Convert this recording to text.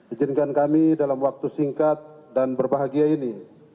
izinkan kami dalam waktu singkat dan berbahagia ini